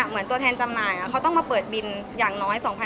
เหมือนตัวแทนจำหน่ายของเราเค้าต้องมาเปิดบินอย่างน้อย๒๐๐๕